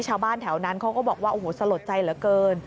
ชาวบ้านแถวนั้นเขาก็บอกว่าโอ้โหสลดใจเหลือเกิน